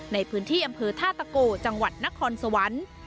ในพื้นที่อำเภอท่าตะโกจังหวัดนครสวรรค์